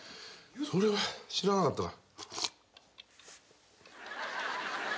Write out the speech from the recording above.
それは知らなかったから。